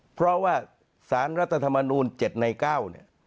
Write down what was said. เพราะว่าสารรัฐธรรมนูล๗ใน๙เนี่ย